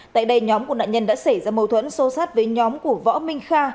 tại đây nhóm của nạn nhân đã xảy ra mâu thuẫn sô sát với nhóm của võ minh kha